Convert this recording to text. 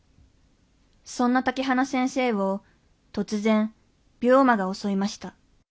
そんな竹花先生を突然病魔が襲いました。